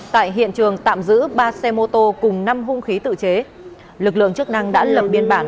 tại hiện trường tạm giữ ba xe mô tô cùng năm hung khí tự chế lực lượng chức năng đã lập biên bản